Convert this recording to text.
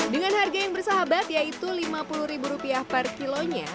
dengan harga yang bersahabat yaitu rp lima puluh per kilonya